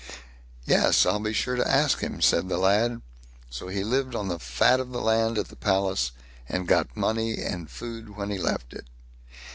"Yes, I'll be sure to ask him", said the lad. So he lived on the fat of the land at the palace, and got money and food when he left it.